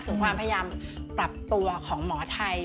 ถึงความพยายามปรับตัวของหมอไทย